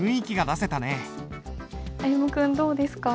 歩夢君どうですか？